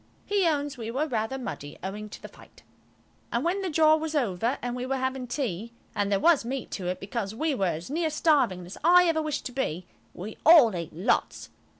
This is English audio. He owns we were rather muddy, owing to the fight. And when the jaw was over and we were having tea–and there was meat to it, because we were as near starving as I ever wish to be–we all ate lots.